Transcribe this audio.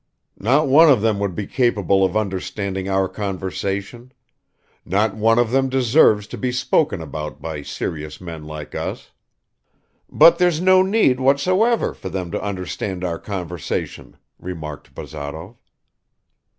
"Not one of them would be capable of understanding our conversation; not one of them deserves to be spoken about by serious men like us." "But there's no need whatsoever for them to understand our conversation," remarked Bazarov.